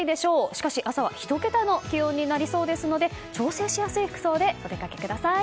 しかし、朝は１桁の気温になりそうですので調整しやすい服装でお出かけください。